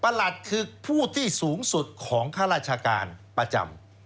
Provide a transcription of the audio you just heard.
หลัดคือผู้ที่สูงสุดของข้าราชการประจำ